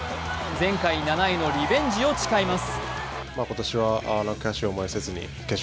前回７位のリベンジを誓います。